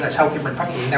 sau khi phát hiện ra